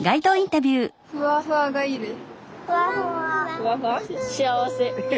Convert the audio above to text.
ふわふわがいいです。